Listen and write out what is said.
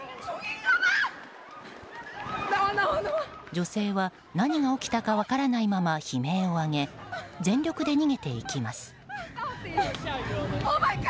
女性は、何が起きたか分からないまま悲鳴を上げ全力で逃げていきます。